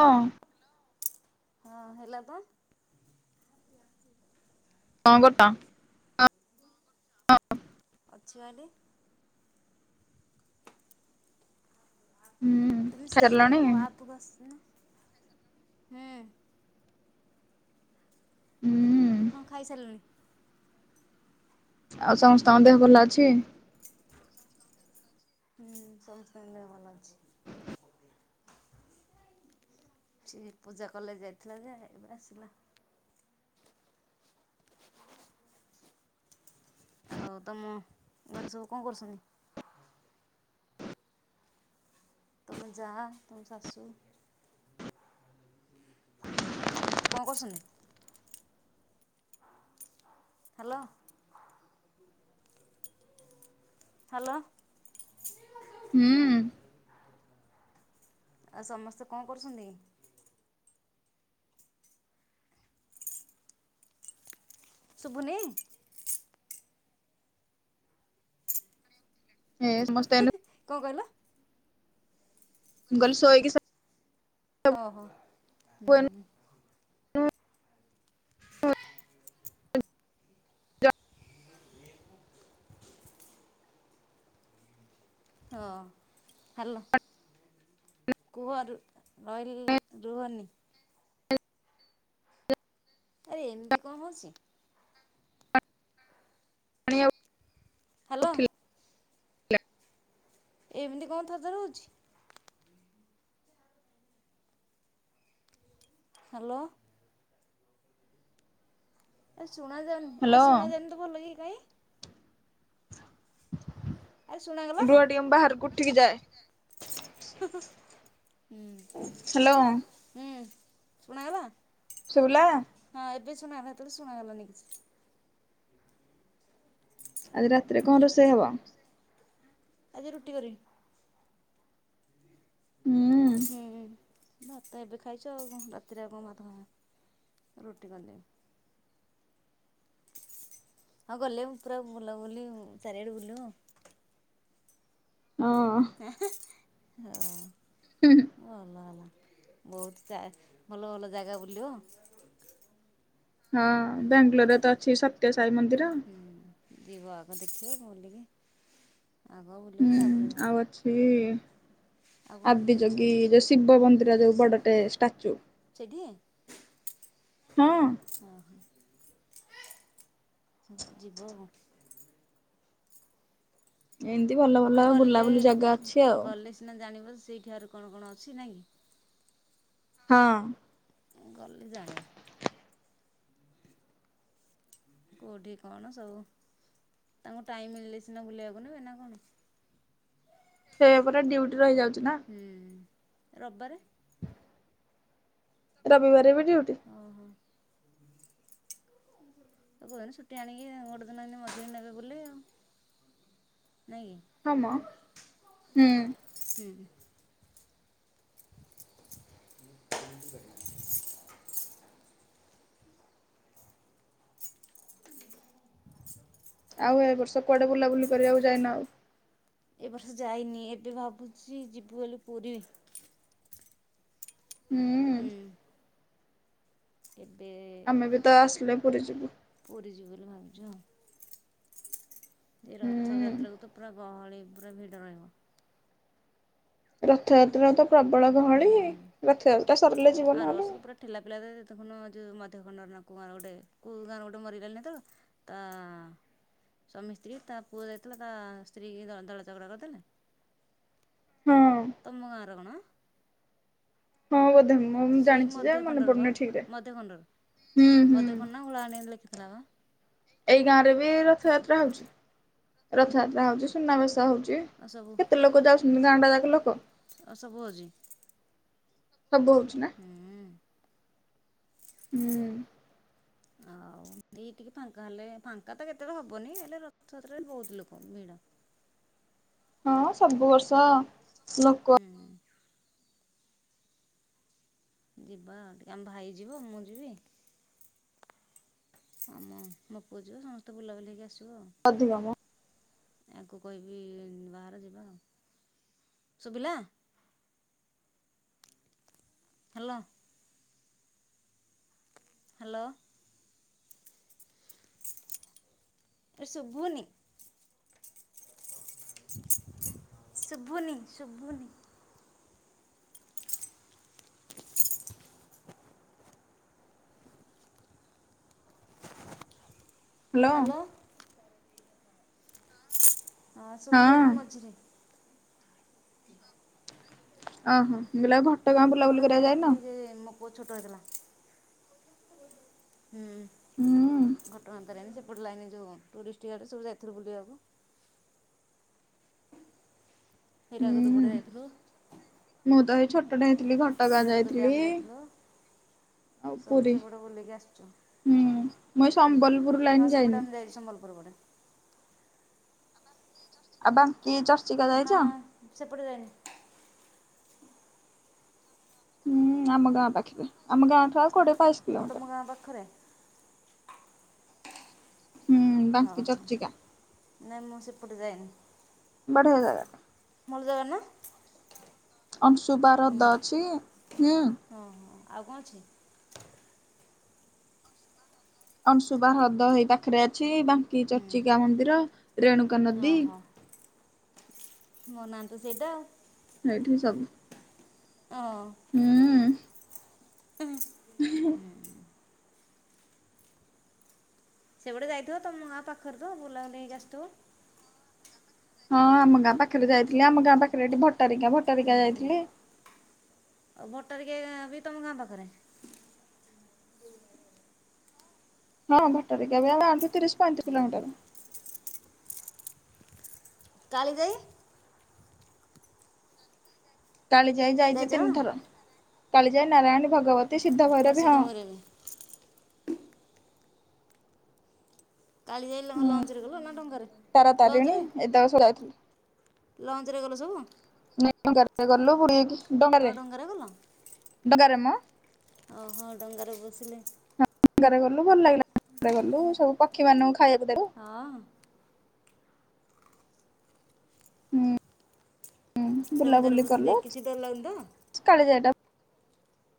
ହଁ। ହଁ ହେଲା ତ? କଣ କରୁଚ? [inaudible] [inaudible] ଅଛି ପା ଏଠି। ହୁଁ ତମେ ସେଇ ଖାଇସାରିଲଣି? ଯୋଉ ଆପକୁ ଆଶୁନ? ହୁଁ ହୁଁ ହ ଖାଇସାରିଲୁଣି। ଆଉ ସମସ୍ତଙ୍କ ଦେହ ଭଲ ଅଛି? [inaudible] ହ ସମସ୍ତଙ୍କ ଦେହ ଭଲ ଅଛି। ସେ ପୂଜା କଲେଜ୍ ଯାଇଥିଲା ଯେ, ଏବେ ଆସିଲା। ଆଉ ତମ ଘରେ ସବୁ କଣ କରୁଛନ୍ତି? ତୁମ ଯାଆ ତୁମ ଶାଶୁ? ସମସ୍ତେ କଣ କରୁଛନ୍ତି? ହ୍ୟାଲୋ? ହ୍ୟାଲୋ? ହୁଁ। ଆ ସମସ୍ତେ କଣ କରୁଛନ୍ତି? ଶୁଭୁନି? ହେଁ ସମସ୍ତେ ଏ କଣ କହିଲ? ମୁଁ କହିଲି ସୋଇକି ଓ ହୋ ହୁଁ। ହଁ ହ୍ୟାଲୋ? କୁହ ରୟଲ ରୁହନି। ଆରେ ଏମିତି କଣ ହଉଛି? ପାଣି ଆ। ହ୍ୟାଲୋ [unintelligible] ଏମିତି କଣ ଥର ଥର ହଉଚି? ହ୍ୟାଲୋ? ଆ ଶୁଣା ଯାଉନି ଏ ହ୍ୟାଲୋ ଶୁଣା ଯାଉନି ତ ଭଲ କି କାଇଁ? ଆରେ ଶୁଣାଗଲା ହା ରୁହ ଟିକେ ମୁଁ ବାହାରକୁ ଉଠିକି ଯାଏ। ହା ହୁଁ ହ୍ୟାଲୋ ହୁଁ ଶୁଣାଗଲା। ଶୁଭିଲା? ହଁ ଏବେ ଶୁନାଗଲା ହେତେବେଳେ ଶୁଣାଗଲାନି କିଛି। ଆଜି ରାତିରେ କି କଣ ରୋଷେଇ ହବ? ଆଜି ରୁଟି କରିବି। ହୁଁ ହୁଁ ଭାତ ଏବେ ଖାଇଛୁ ଆଉ ରାତିରେ ଆଉ କଣ ଭାତ ଖାଇବା। ରୁଟି କରିଦେବି। ଆଉ ଗଲେ ମୁଁ ପୁରା ବୁଲାବୁଲି ଉଁ ଚାରିଆଡ଼େ ବୁଲିବୁ। ହଁ। ଏହେଁ ହୁଁ ହ ଭଲ ହେଲା। ବୋହୁତ ଚା ଭଲ ଭଲ ଜାଗା ବୁଲିବ। [unintelligible] ହଁ ବ୍ୟାଙ୍ଗଲୋର ତ ଅଛି ଏ ସ ତ୍ୟ ସାଇ ମନ୍ଦି ହୁଁ ଯିବ ଆଗ ଦେଖିବ ବୁଲିକି ଆଗ ବୁଲିବ ତାପରେ ହୁଁ ଆଉ ଅଛି ଆଉ କଣ ଆଦି ଯୋଗୀ ଯୋଉ ଶିବ ମନ୍ଦିର ଯୋଉ ବଡ଼ ଟେ ଷ୍ଟାଚୁ। ସେଇଠି? ହଁ। ଅହ ହଁ ଯିବ ଆଉ। ଏଁତି ଭଲ ଭଲ ବୁଲାବୁଲି ଜାଗା ଅଛି ଆଉ। ନା ଜାଣିବ ସେଇଠି ଆହୁରି କଣ କଣ ଅଛି ନା କି? ହଁ। ଅଁ ଗଲେ ଜାଣିବ। କୋଉଠି କଣ ସବୁ? ତାଙ୍କୁ ଟାଇମ ମିଳିଲେ ସିନା ବୁଲେଇବାକୁ ନେବେ ନା କଣ? ଏବେ ପୁରା ଡ୍ୟୁଟି ରହିଯାଉଛି ନା। ହୁଁ ରବିବାରେ? ରବିିବାରେ ବି ଡଉଟି। ଓହ। ତ କୋଉଦିନ ଛୁଟି ଆଣିକି ଅଁ ଗୋଟେ ଦିନ ମଝିରେ ନେବେ ବୁଲେଇ ଆଉ। ନାଇଁ କି? ହଁମ ହୁଁ। ହୁଁ। [unintelligible] ଆଉ ଏ ବର୍ଷ କୁଆଡ଼େ ବୁଲାବୁଲି କରିବାକୁ ଯଇନ ଆଉ? ଏ ବର୍ଷ ଯାଇନି ଏବେ ଭାବୁଛି ଯିବୁ ବୋଲି ପୁରୀ। ହୁଁ। ଏବେ ଆମେ ବି ତ ଆସିଲେ ପୁରୀ ଯିବୁ। ପୁରୀ ଯିବୁ ବୋଲି ଭାବିଛୁ ଆଉ। ଏ ରଥ ହୁଁ। ଯାତ୍ରାକୁୁ ତ ପୁରା ଗହଳି ପୁରା ଭିଡ଼ ରହିବ। ରଥଯାତ୍ରାରେ ତ ପ୍ରବଳ ଗହଳି ହୁଁ ରଥଯାତ୍ରା ସରିଲେ ଜୀବ ଆର ବର୍ଷ ନହେଲେ। ତ ପୁରା ଠେଲା ପେଲା ରେ ଦେଖୁନ ଯୋଉ ମଧ୍ୟ ଖଣ୍ଡନ କୋଉ ଗାଁର ଗୋଟେ କଉ ଗାଁ ରୁ ଗୋଟେ ମରିଗଲେନି ହେତେବେଳୁ। ତା ସ୍ୱାମୀ ସ୍ତ୍ରୀ ତା ପୁଅ ଯାଇଥିଲା ତା ସ୍ତ୍ରୀ ଦଳା ଦଳା ଚକଟା କରିଦେଲେ। ହୁଁ। ତମ ଗାଁ ର କଣ? ହଁ ବୋଧେ ମ ମୁଁ ସେଇ ଜାଣିଛି ଯେ ମଧ୍ୟ ମନେ ଖଣ୍ଡର ବା ପଡୁନି ଠିକରେ। ମଧ୍ୟ ଖଣ୍ଡର ହୁଁ ହୁଁ। [unintelligible] ଲେଖିଥିଲା ବା। ଏଇ ଗାଁରେ ବି ରଥଯାତ୍ରା ହଉଛି, ରଥଯାତ୍ରା ହଉଛି ସୁନାବେସ ହଉଛି। ଚି ଏ ଆଉ ସବୁ କେତେ ଲୋକ ଯାଉଛନ୍ତି, ଗାଁ ଟା ଯାକ ଲୋକ। ଆଉ ସବୁ ହଉଛି ସବୁ ହୋଉଚି ନା। ହୁଁ। ହୁଁ। ଆଉ ଏଇ ଟିକେ ଫାଙ୍କା ହେଲେ, ଫାଙ୍କା ତ କେତେବେଳେ ହବନି ହେଲେ ରଥଯାତ୍ରାରେ ବୋହୁତ ଲୋକୋ ଭିଡ। ହଁ ସବୁ ବର୍ଷ ଲୋ ହୁଁ ଯିବା ଟିକେ ଆମ ଭାଇ ଯିବ ମୁଁ ଯିବି। ଆମ ମୋ ପୁଅ ଯିବ ସମସ୍ତେ ବୁଲାବୁଲି ହେଇକି ଆସିବୁ ଆଉ। ଅଧିକ ମ। ୟାଙ୍କୁ କହିବି ବାହାର ଯିବା ଆଉ ଶୁବିଲା। ହାଲୋ। ହାଲୋ। ଏ ଶୁଭୁନି। ଶୁଭୁନି, ଶୁଭୁନି। Hello hello. ହଁ ଶୁଭିଲାନି ମଝିରେ। ଓ ହୋ ଗୁଲାପ। [unintelligible] ଘଟଙ୍ଗା ଯାଇଥିଲି ଯେ ମୋ ପୁଅ ଛୋଟ ହେଇଥିଲା। ହୁଁ ହୁଁ ଘଟଗାଁ ତାରିଣୀ ସେପଟ ଲାଇନି ଯୋଉ ଟୁରିଷ୍ଟ ଗାଡି ସବୁ ଯାଇଥିଲୁ ବୁଲିବାକୁ। ହିରାକୁଦ ହୁଁ ପଟେ ଯାଇଥିଲୁ। ମୁଁ ତ ହେଇ ଛୋଟେ ହେଇଥିଲି ଘଟଗାଁ ହୀରାକୁଦ ଯାଇଥିଲି। ଡ୍ୟାମ୍ ଯାଇଥିଲୁ ଆଉ ସବୁ ପୁରି ସେପଟେ ବୁଲିକି ଆସିଛୁ। ହୁଁ ମୁଁ ଏଇ ସମ୍ବଲପୁର ହଁ ଲାଇନି ସେପଟେ ଯାଇନି। ଆମେ [unintelligible] ଆଉ ବାଙ୍କି ଚର୍ଚ୍ଚିକା ନା ଯାଇଚ? ସେପଟେ ଯାଇନି। ହୁଁ ଆମ ଗାଁ ପାଖେରେ। ଆମ ଗାଁଠୁ ଆଉ କୋଡିଏ ବାଇଶ ଏ କିଲୋମିଟର ତମ ଗାଁ ପାଖରେ। ହୁଁ ହଁ ବାଙ୍କି ହଁ ଚର୍ଚିକା ନାଇଁ ମୁଁ ସେପଟେ ଯାଇନି। ବଢିଆ ଜାଗା। ଭଲ ଜାଗା ନା? ଅଂଶୁପା ହୁଁ ହ୍ରଦ ଅଛି ହୁଁ। ହଁ ହଁ, ଆଉ କଣ ଅଛି? ଅଂଶୁପା ହ୍ରଦ ହେଇ ପାଖରେ ଅଛି। ବାଙ୍କି ହୁଁ ଚର୍ଚିକା ମନ୍ଦିର ରେଣୁ ଓହୋ ମୋ ନାଁ ତ ସେଇଟା। ଏଇଠି ସବୁ। ଅଂ। ଉଁ। ହୁମ ହୁଁ [unintelligible] ସେପଟେ ଯାଇଥିବ ତମ ଗାଁ ପାଖରେ ତ ବୁଲାବୁଲି ହେଇକି ଆସିଥିବ। ହଁ ଆମ ଗାଁ ପାଖରେ ଯାଇଥିଲି। ଆମ ଗାଁ ପାଖରେ ଏଠି ଭଟାରିକା ଭ ହୁଁ ହୁଁ ଆଉ ଭଟରିକା ଏ ବି ତମ ଗାଁ ପାଖରେ? ହଁ ଭଟରିକା ବି ଆମ ଗାଁଠୁ ତିରିଶ ପଇଁତିରିଶ କିଲୋମିଟର। କାଳିଜାଇ କାଳିଜାଇ ଯାଇଚି ଯାଇଛ ତିନି ଥର, କାଳିଜାଇ, ନାରାୟଣୀ, ଭଗବତୀ, ସିଦ୍ଧ ଆଉ ଭୈରବି ହଁ। [unintelligible] କାଳିଜାଇ ଲ ହ ହୁଁ ଲଞ୍ଚରେ ଗଲ ନା ଡଳଙ୍ଗାରେ? ତାରା ତାରିଣୀ ଲଞ୍ଚରେ ଏତକ ସବୁ ଯାଇଥିଲି ଲଞ୍ଚରେ ଗଲ ସବୁ? ନାଇଁ ଡଙ୍ଗାରେ ଗଲୁ ବୁଲିକି ଆଉ ଡଙ୍ଗାରେ, ଗଲ ଡଙ୍ଗାରେ ମ ଓହୋ ଡଙ୍ଗାରେ ବସିଲେ। ଡଙ୍ଗାରେ ଗଲୁ ଭଲ ଲାଗିଲା [unintelligible] ସବୁ ପକ୍ଷୀ ମାନଙ୍କୁ ଖାଇବାକୁ ଦେଲୁ। ହଁ। ହୁଁ। ଡଙ୍ଗାରେ ବୁଲାବୁଲି ବସିଲେ କଲୁ କିଛି ଡର ଲାଗୁନି ତ? କାଳିଜାଇ ଟା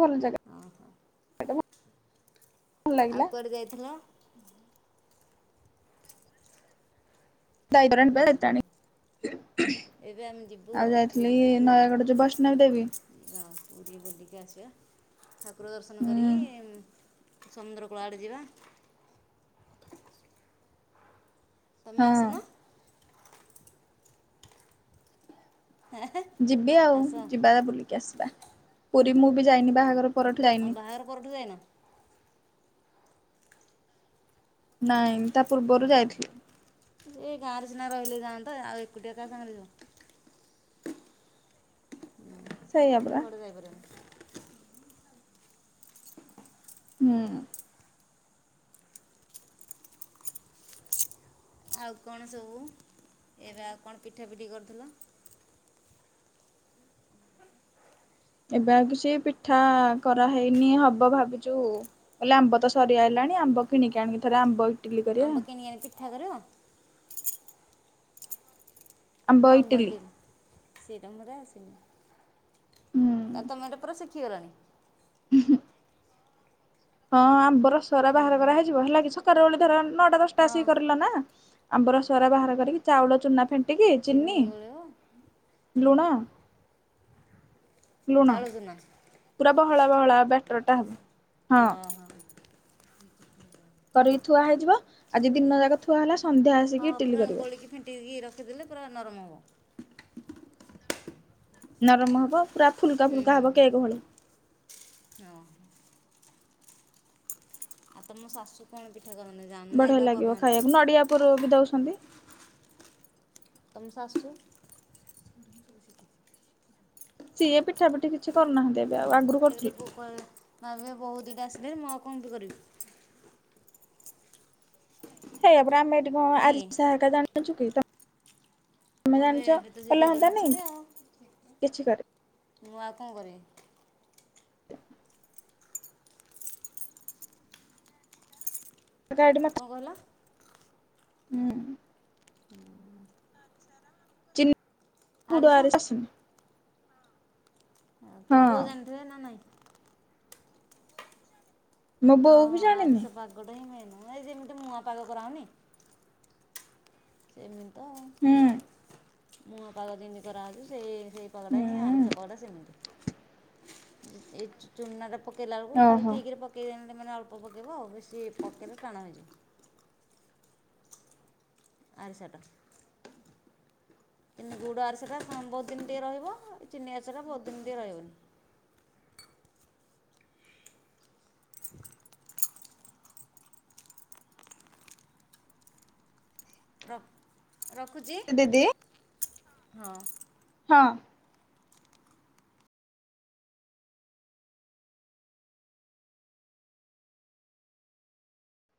ଭଲ ଜାଗା ହେଟାମ ଆଉ କୁଆଡେ ଯାଇଥିଲ? ବାଇଗଲାନିପା ଟାଣି। ଏବେ ଆମେ ଯିବୁ ଆଉ ଆଉ ଯାଇଥିଲି ନୟାଗଡ ଯଉ ବୈଷ୍ଣଵୀ ଦେବୀ। ଅ ପୁରୀ ବୁଲିକି ଆସିବା ଠାକୁର ଦର୍ଶନ ହୁଁ କରିକି ସମୁଦ୍ର କୂଳ ଆଡେ ଯିବା। ତମେ ହଁ ଅସୁନ? ଯିବି ଆଉ ଆସ ଯିବା ବୁଲିକି ଆସିବା ପୁରୀ ମୁଁ ବି ଯାଇନି ବାହାଘର ପରଠୁ ହଁ ଯାଇନି ବାହାଘର ପରଠୁ ଯାଇନ? ନାଇଁ ତା ପୂର୍ବରୁ ଯାଇଥିଲି। ସେ ଗାଁରେ ସିନା ରହିଲେ ଯାଆନ୍ତ ଆଉ ଏକୁଟିଆ କା ସାଙ୍ଗରେ ଯିବ। ସେଇଆ ସେଟା ପରା କୁଆଡେ ଯାଇ ପାରିବନି। ହୁଁ। ଆଉ କଣ ସବୁ ଏବେ ଆଉ କଣ ପିଠାପିଠି କରୁଥିଲ? ଏବେ ଆଉ କିଛି ପିଠା କରାହେଇନି ହବ ଭାବୁଛୁ। କହିଲେ ଆମ୍ବ ତ ସରିଆ ଆଇଲାଣି ଆମ୍ବ କିଣିକି ଆଣିକି ଥରେ ଆମ୍ବ ଇଟିଲି କରିବା ଅମ୍ବ କିଣିଆଣି ପିଠା କରିବ? ଆମ୍ବ ଇଟିଲି ଆମ୍ବଡିନ୍ ସେଠା ମୋତେ ଆସେନି? ହୁଁ ଆ ତମର ପୁରା ଶିଖିଗଲଣି। ଉହୁ। ହଁ ଆମ୍ବର ସରା ହୁଁ ବାହାର କରା ହୁଁ ହେଇଯିବ ହେଲା କିି ସକାଳ ବେଳେ ଧର ନଅଟା ଦଶଟା ହଁ ଆସିକି କରିଲ ନା। ଆମ୍ବର ସାରା ବାହାର କରିକି ଚାଉଳ ଚୁନା ଫେଣ୍ଟ୍ ଣ୍ଟିକି ଚିନି, ଲୁଣ ଲୁଣ ଚାଉଳ ଚୂନା। ପୁରା ବହଳା ବହଳା ବେଟରଟା ହବ। ହଁ ହଁ। କରିକି ଥୁଆ ହେଇଯିବ ଆଜି ଦିନ ଯାକ ଥୁଆ ହେଲା ସନ୍ଧ୍ୟା ହଁ ଆସିକି ଇଟିଲି ପୁରା କରିବ ଗୋଳିକି ଫେଣ୍ଟିକି ରଖିଦେଲେ ପୁରା ନରମ ହବ। ନରମ ହବ। ପୁରା ଫୁଲକା ଫୁଲକା ହବ ହୁଁ କେକ୍ ଭଳି ହୁଁ ହୁଁ ହଁ। ଆଉ ତମ ଶାଶୁ କଣ ପିଠା କରନ୍ତି ଜାଣନା ଏବା କରୁନାହାନ୍ତି? ଉପରକୁ ଦଉଛନ୍ତି। ତମ ଶାଶୁ? [inaudible] ସିଏ ପିଠା ପିଠି କିଛି କରୁନାହାନ୍ତି। ଏବେ ଆଉ ଆଗରୁ ଏବେ ତ କରୁଥିଲେ ଭୋକ ହେଲା ଆମେ ବହୁ ଦିଇଟା ଆସିଲେ ମୁଁ ଆଉ କଉଟି କରିବି? ହେଇଆାପରା ଆମେ ଏଠି କଣ ନାଇଁ ଆରିସା କି କା ଜାଣିଛୁ କି ତ କହିବେ ଏବେ ତ ସେ କଲେ ଦି ଜଣ ହନ୍ତାନି ଅଛନ୍ତି ଆଉ ମୁଁ କିଛି କରି ଆଉ କଣ କରିବି? [inaudible] କଣ କହିଲ? ହୁଁ ପୋଡ଼ ଆଡ଼ିସା ଆରିସା ଆସେନି। ଆଉ ତମ ବହୁ ଜାଣି ହଁ ଥିବେ ନା ନାଇଁ? ମୋ ହଁଁ ବୋଉ ବି ଜାଣିନି ଆରିଷ ପାଗଟା ହିଁ ମେନ ହଁ ଏଇ ଯେମିତି ମୁୂଆଁ ପାଗ କରାହଉନି? ସେମିତ୍ ହୁଁ। ମୁୂଆଁ ପାଗ ଯେମିତି କରାହଉଛି ସେ ସେଇ ପଗଟା ହିଁ ଆରିସା ହୁଁ ପାଗଡ଼ା ସେମିତି। ଏଇ ଚୁନା ଟା ପକେଇଲା ବେଳକୁ ଖାଲି ଓହୋ ଠିକ ରେ କେଇ ଯେମିତି ମାନେ ଅଳ୍ପ ପକେଇବ ଆଉ ବେଶୀ ପକେଇଲେ ଟାଣ ହୋଇଯିବ। ଆରିସାଟା ଗୁଡ଼ ଆରିସାଟା ବହୁତ ଦିନ୍ ଟିକେ ରହିବ ଚିନି ଆରିସାଟା ବହୁତ ଦିନ୍ ଟିକେଏ ରହିବନି। ର ରଖୁଛି ଦିଦି ହଁ। ହଁ